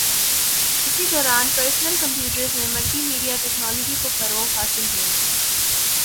اسی دوران personal computers میں ملٹی میڈیا ٹیکنولوجی کو فروغ حاصل ہوا